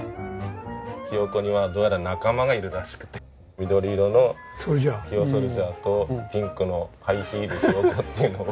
ひよこにはどうやら仲間がいるらしくて緑色のひよＳｏｌｄｉｅｒとピンクのハイヒールひよ娘っていうのを。